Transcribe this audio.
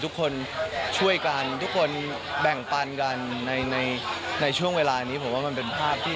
ทุกคนช่วยกันทุกคนแบ่งปันกันในในช่วงเวลานี้ผมว่ามันเป็นภาพที่